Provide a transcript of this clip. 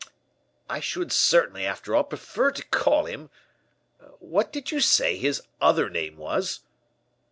I should certainly, after all, prefer to call him what did you say his other name was?"